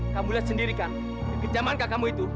kamu lihat sendiri kan kekejaman kakakmu itu